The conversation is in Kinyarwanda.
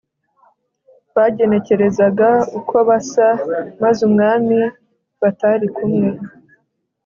bagenekerezaga uko basa, maze umwami batari kumwe.